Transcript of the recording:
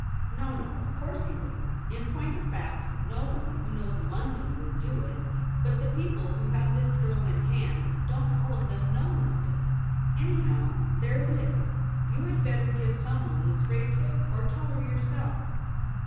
' No, no ; of course he wouldn't. In point of fact, no one who knows London would do it. But the people who have this girl in hand don't all of them know London. Anyhow, there it is. You had better give someone the straight tip, or tell her yourself.'